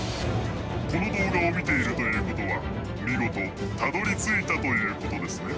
この動画を見ているということは見事たどりついたということですね。